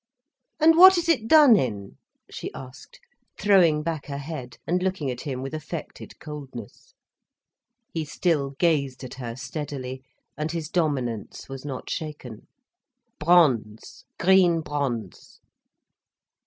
"And what is it done in?" she asked, throwing back her head and looking at him with affected coldness. He still gazed at her steadily, and his dominance was not shaken. "Bronze—green bronze."